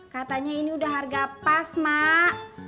katanya ini udah harga pas mak